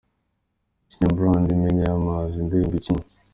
Ikinya Brand imyenda yamamaza indirimbo Ikinya.